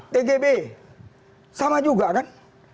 tgb sama juga kan